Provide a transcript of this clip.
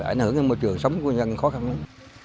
ảnh hưởng đến môi trường sống của dân khó khăn lắm